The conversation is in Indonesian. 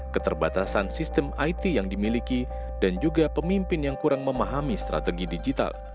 keterbatasan sistem it yang dimiliki dan juga pemimpin yang kurang memahami strategi digital